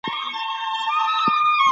هر ډول کاردستي خلاقیت لوړوي.